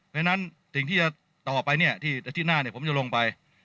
เพราะฉะนั้นสิ่งที่จะต่อไปเนี่ยอาทิตย์หน้าผมจะลงไป